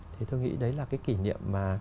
thì tôi nghĩ đấy là cái kỉ niệm mà